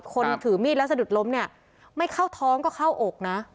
คนถือมีดแล้วสะดุดล้มเนี่ยไม่เข้าท้องก็เข้าอกนะ